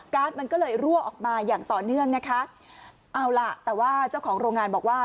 มันก็เลยรั่วออกมาอย่างต่อเนื่องนะคะเอาล่ะแต่ว่าเจ้าของโรงงานบอกว่า